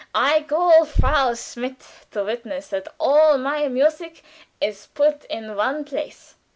I call Frau Schmidt to witness that all my music is put in one place."